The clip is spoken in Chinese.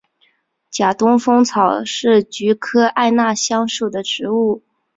假东风草是菊科艾纳香属的植物。